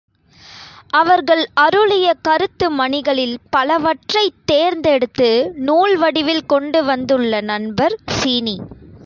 அவர்கள் அருளிய கருத்து மணிகளில் பலவற்றைத் தேர்ந்து எடுத்து, நூல் வடிவில் கொண்டு வந்துள்ள நண்பர் சீனி.